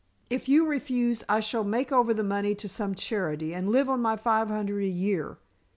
If you refuse, I shall make over the money to some charity, and live on my five hundred a year.